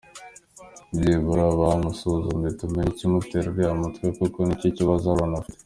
Byibura bamusuzume tumenye ikimutera uriya mutwe kuko nicyo kibazo Aaron afite.